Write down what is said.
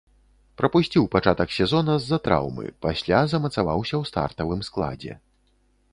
Прапусціў пачатак сезона з-за траўмы, пасля замацаваўся ў стартавым складзе.